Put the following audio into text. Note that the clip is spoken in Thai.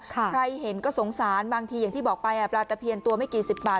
ใครเห็นก็สงสารบางทีอย่างที่บอกไปปลาตะเพียนตัวไม่กี่สิบบาท